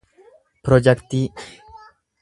pirojaktii